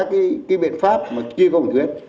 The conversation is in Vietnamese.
chứ không phải là các bệnh pháp mà kia công thuyết